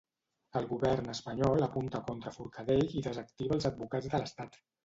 El govern espanyol apunta contra Forcadell i desactiva els advocats de l'estat.